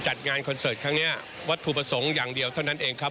จัดงานคอนเสิร์ตครั้งนี้วัตถุประสงค์อย่างเดียวเท่านั้นเองครับ